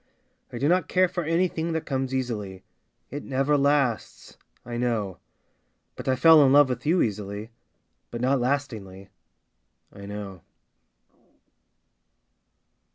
I do not care for anything that comes easily, It never lasts — I know. But I fell in love with you easily, But, not lastingly — I know.